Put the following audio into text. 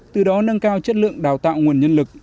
từ đó nâng cao chất lượng đào tạo nguồn nhân lực